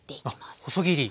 あ細切り。